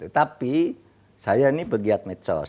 tapi saya ini pegiat medsos